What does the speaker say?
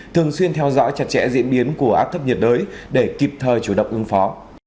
thường xuyên theo dõi chặt chẽ diễn biến của áp thấp nhiệt đới để kịp thời chủ động ứng phó